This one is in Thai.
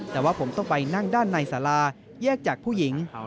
แต่ว่าผมต้องไปนั่งด้านในสาราแยกจากผู้หญิง